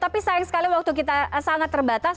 tapi sayang sekali waktu kita sangat terbatas